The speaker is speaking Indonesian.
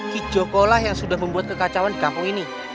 kijokolah yang sudah membuat kekacauan di kampung ini